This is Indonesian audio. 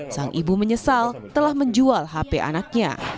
sang ibu menyesal telah menjual hp anaknya